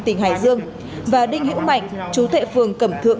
tỉnh hải dương và đinh hữu mạnh chú tệ phường cẩm thượng